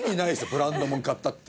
ブランド物買ったって。